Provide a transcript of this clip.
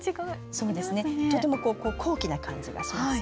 そうですねとてもこう高貴な感じがしますよね。